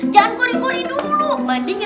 dulu kita makan dulu ya